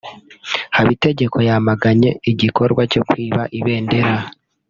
Habitegeko yamaganye igikorwa cyo kwiba ibendera